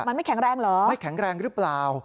มันไม่แข็งแรงเหรอไม่แข็งแรงหรือเปล่า